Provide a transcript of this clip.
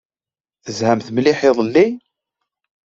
Tezhamt mliḥ iḍelli?